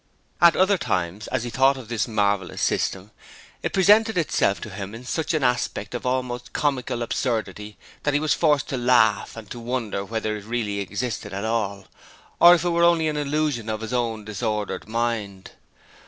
At other times as he thought of this marvellous system, it presented itself to him in such an aspect of almost comical absurdity that he was forced to laugh and to wonder whether it really existed at all, or if it were only an illusion of his own disordered mind.